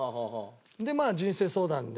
でまあ人生相談で。